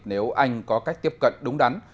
nếu anh có cách tiếp cận đúng đắn